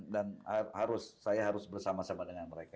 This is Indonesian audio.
dan harus saya harus bersama sama dengan mereka